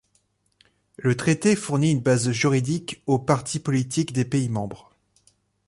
Le traité fournit une base juridique aux partis politiques des pays membres.